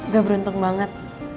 gue beruntung banget